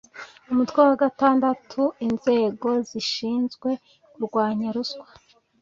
umutwe wa gatandatu inzego zishinzwe kurwanya ruswa